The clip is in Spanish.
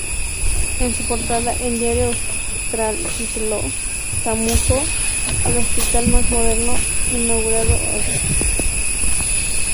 En su portada, El Diario Austral tituló: "Temuco: El Hospital Más Moderno Inauguran Hoy".